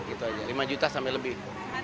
itu aja lima juta sampai lebih